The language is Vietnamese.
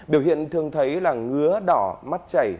biểu hiện thường thấy là ngứa đỏ mắt chảy